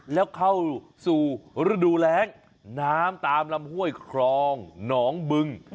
แล้วเข้าสู่ฤดูแรงน้ำตามลำห้วยครองหนองบึง